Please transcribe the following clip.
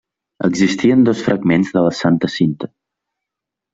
Existien dos fragments de la Santa Cinta.